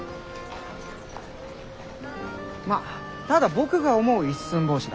まあただ僕が思う「一寸法師」だ。